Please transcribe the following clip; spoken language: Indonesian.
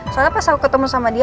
soalnya pas aku ketemu sama dia